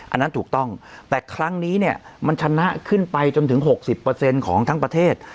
อันนั้นถูกต้องแต่ครั้งนี้เนี่ยมันชนะขึ้นไปจนถึง๖๐ของทั้งประเทศ